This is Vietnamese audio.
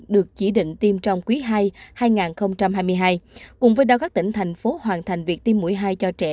được chỉ định tiêm trong quý ii hai nghìn hai mươi hai cùng với đó các tỉnh thành phố hoàn thành việc tiêm mũi hai cho trẻ